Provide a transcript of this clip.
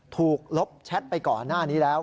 ลบแชทไปก่อนหน้านี้แล้ว